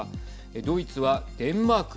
ドイツはデンマーク